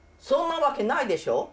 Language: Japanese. そんな訳ないでしょ！